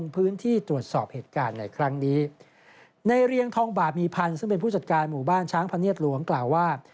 พี่ผู้จัดการหมู่บ้านช้างพะเนียดหลวงกล่าวว่า